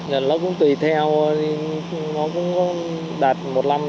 nó cũng tùy theo nó cũng đạt một năm